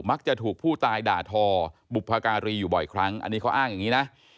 ถูกผู้ตายด่าทอบุพการีอยู่บ่อยครั้งอันนี้เขาอ้างอย่างนี้นะ